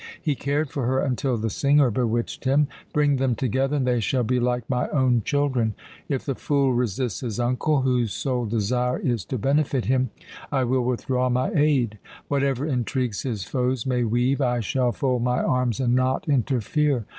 He cared for her until the singer bewitched him. Bring them together, and they shall be like my own children. If the fool resists his uncle, whose sole desire is to benefit him, I will withdraw my aid. Whatever intrigues his foes may weave, I shall fold my arms and not interfere.